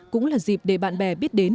cũng là dịp để bạn bè biết đến